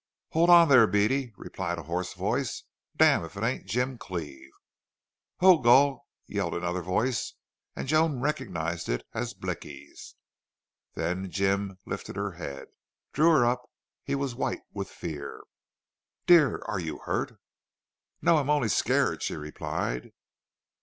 "Hold on thar, Beady!" replied a hoarse voice. "Damn if it ain't Jim Cleve!" "Ho, Gul!" yelled another voice, and Joan recognized it as Blicky's. Then Jim lifted her head, drew her up. He was white with fear. "Dear are you hurt?" "No. I'm only scared," she replied.